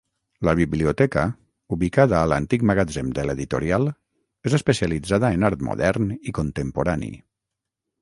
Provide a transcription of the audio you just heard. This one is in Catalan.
La biblioteca, ubicada a l'antic magatzem de l'editorial, és especialitzada en art modern i contemporani.